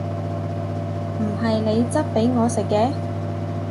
唔係你質俾我食嘅！